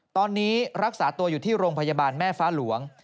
ตอนนี้รักษาตัวอยู่ที่โรงพยาบาลแม่ฟ้าหลวง